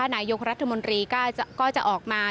นายกรัฐมนตรีก็จะออกมา